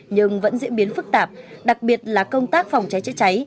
nhưng vẫn diễn biến phức tạp đặc biệt là công tác phòng cháy chữa cháy